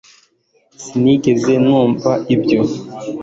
sinigeze numva ibyo